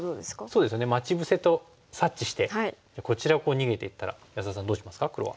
そうですね待ち伏せと察知してこちらを逃げていったら安田さんどうしますか黒は。